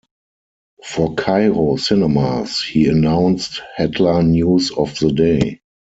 For Cairo cinemas, he announced "Headline News of the Day".